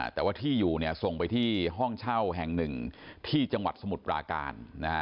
แต่ว่าที่อยู่ส่งไปที่ห้องเช่าแห่งหนึ่งที่จังหวัดสมุทรปราการ